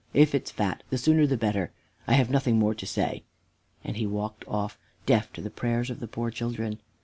If it's fat the sooner the better. I've nothing more to say." And he walked off, deaf to the prayers of the poor children.